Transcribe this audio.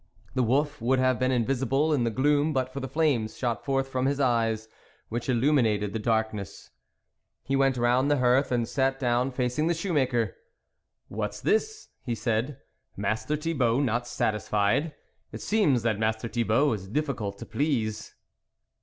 The wolf would have been invisible in the gloom but for the flames shot forth from his eyes, which illuminated the darkness ; he went round the hearth and sat down facing the shoemaker. " What is this !" he said. " Master Thi bault not satisfied ? It seems that Master Thibault is difficult to please."